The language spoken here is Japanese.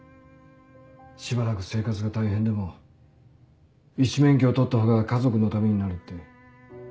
しばらく生活が大変でも医師免許を取ったほうが家族のためになるって。